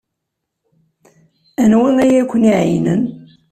Anwa ay ak-iɛeyynen?